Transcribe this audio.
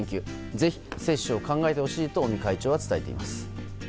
ぜひ、接種を考えてほしいと尾身会長は伝えています。